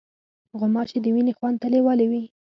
غوماشې د وینې خوند ته لیوالې وي.